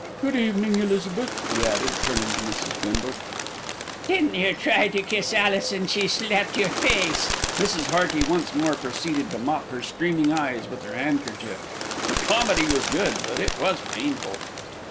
"Good evening, Elizabeth," he added, turning to Mrs. Bindle. "Didn't you try to kiss Alice, and she slapped your face?" Mrs. Hearty once more proceeded to mop her streaming eyes with her handkerchief. The comedy was good; but it was painful.